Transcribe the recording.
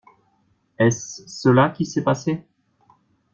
Est-ce cela qui s’est passé?